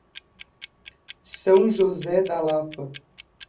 São José da Lapa